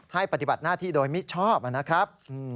ปฏิบัติหน้าที่โดยมิชอบนะครับ